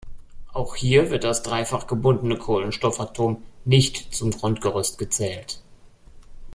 Auch hier wird das dreifach gebundene Kohlenstoffatom "nicht" zum Grundgerüst gezählt.